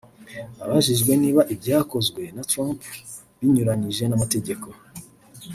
Abajijwe niba ibyakozwe na Trump binyuranyije n’amategeko